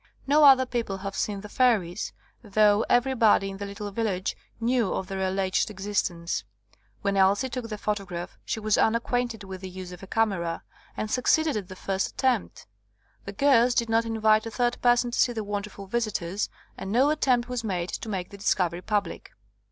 No other people have seen the fairies, though every body in the little village knew of their alleged existence ; when Elsie took the photo graph she was unacquainted with the use of a camera, and succeeded at the first at tempt; the girls did not invite a third per son to see the wonderful visitors, and no attempt was made to make the discovery public.